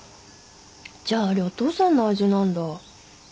じゃああれお父さんの味なんだ。